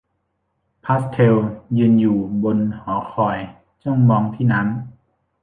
พาสเทลยืนอยู่บนหอคอยจ้องมองที่น้ำ